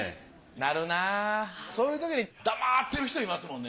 なるなそういうときに黙ってる人いますもんね。